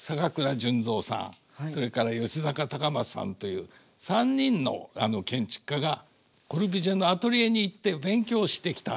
それから吉阪隆正さんという３人の建築家がコルビュジエのアトリエに行って勉強してきたんです。